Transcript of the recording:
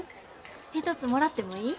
一つもらってもいい？